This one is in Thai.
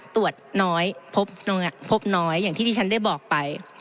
ตรวจน้อยพบน้อยอย่างที่ที่ฉันได้บอกไป